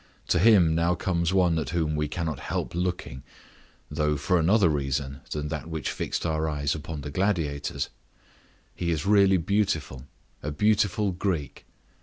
To him now comes one at whom we cannot help looking, though for another reason than that which fixed our eyes upon the gladiators; he is really beautiful—a beautiful Greek.